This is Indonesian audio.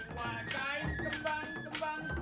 sekali lagi lagi